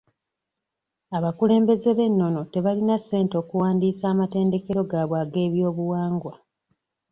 Abakulembeze b'ennono tebalina ssente okuwandiisa amatendekero gaabwe ag'ebyobuwangwa.